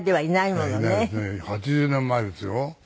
８０年前ですよ。